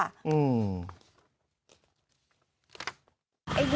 อืม